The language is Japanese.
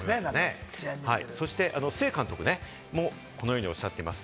そして須江監督はこのようにおっしゃっています。